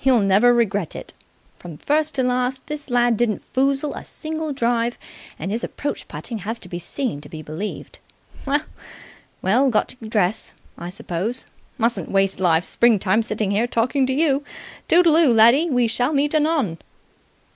You'll never regret it! From first to last this lad didn't foozle a single drive, and his approach putting has to be seen to be believed. Well, got to dress, I suppose. Mustn't waste life's springtime sitting here talking to you. Toodle oo, laddie! We shall meet anon!"